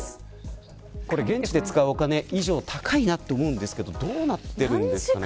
現地で使うお金以上に高いと思いますがどうなってるんですかね。